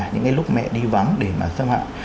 những cái lúc mẹ đi vắng để mà xâm hại